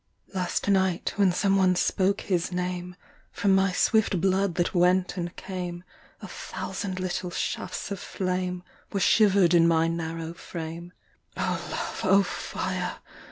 Last night, when some one spoke his name, From my swift blood that went and came A thousand little shafts of flame. Were shiver’d in my narrow frame O Love, O fire!